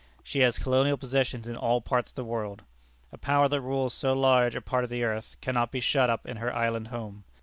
She has colonial possessions in all parts of the world. A power that rules so large a part of the earth cannot be shut up in her island home.